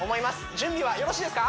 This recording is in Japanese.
準備はよろしいですか？